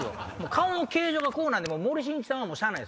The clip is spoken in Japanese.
顔の形状がこうなんで森進一さんはしゃあない。